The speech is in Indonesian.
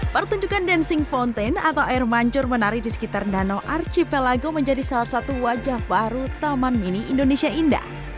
pertunjukan dancing fountain atau air mancur menari di sekitar danau archipelago menjadi salah satu wajah baru taman mini indonesia indah